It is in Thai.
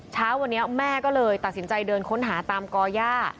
เช้าวันนี้แม่ก็เลยตัดสินใจเดินค้นหาตามก่อย่า